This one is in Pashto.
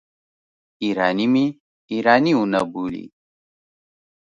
ایراني مې ایراني ونه بولي.